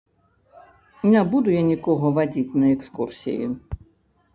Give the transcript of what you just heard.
Не буду я нікога вадзіць на экскурсіі.